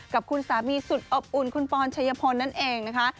กับคุณสามีสุดอบอุ่นคุณปอนชัยพลนั่นเองนะคะ